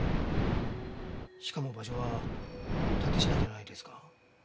しかも場所は蓼科じゃないですか？